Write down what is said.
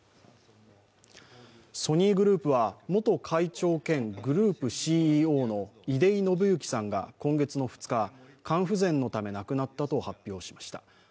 ソニーグループは元会長兼グループＣＥＯの出井伸之さんが今月の２日、肝不全のため亡くなったと発表しました。